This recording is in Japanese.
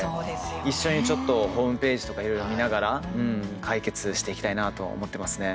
一緒にちょっとホームページとかいろいろ見ながら解決していきたいなとは思ってますね。